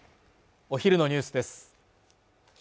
お昼のニュースです